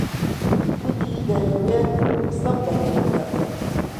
گوتی دەیەوێت قسەم لەگەڵ بکات .